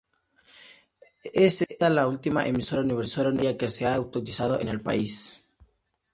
Es esta la última emisora universitaria que se ha autorizado en el país.